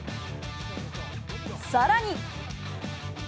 さらに。